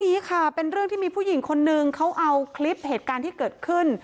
นี้ค่ะเป็นเรื่องที่มีผู้หญิงคนนึงเขาเอาคลิปเหตุการณ์ที่เกิดขึ้น